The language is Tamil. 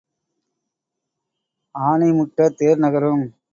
ஆனை முட்டத் தேர் நகரும்.